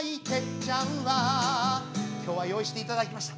今日は用意していただきました。